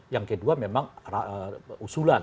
yang kedua memang usulan